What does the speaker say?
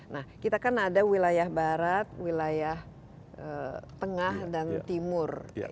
nah kita kan ada wilayah barat wilayah tengah dan timur